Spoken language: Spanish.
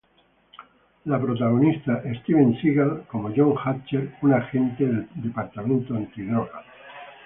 La protagoniza Steven Seagal como John Hatcher, un agente del departamento antidroga.